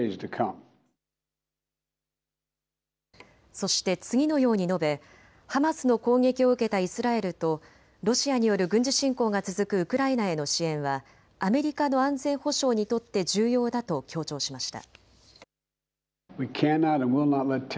そして次のように述べハマスの攻撃を受けたイスラエルとロシアによる軍事侵攻が続くウクライナへの支援はアメリカの安全保障にとって重要だと強調しました。